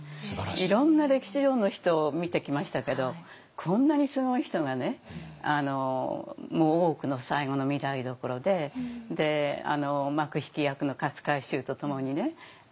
いろんな歴史上の人見てきましたけどこんなにすごい人がね大奥の最後の御台所で幕引き役の勝海舟とともにね